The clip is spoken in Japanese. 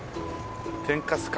天かすか。